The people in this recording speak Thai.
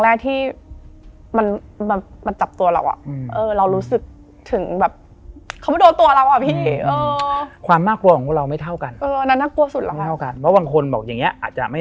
หนูก็ว่าเขารอมาเกิดบอกไม่ใช่